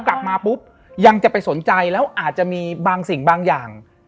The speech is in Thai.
กลับมาปุ๊บยังจะไปสนใจแล้วอาจจะมีบางสิ่งบางอย่าง